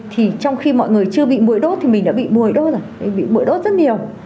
thì trong khi mọi người chưa bị mũi đốt thì mình đã bị mùi rồi bị mũi đốt rất nhiều